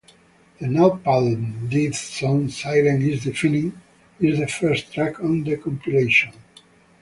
The Napalm Death song "Silence Is Deafening" is the first track on the compilation.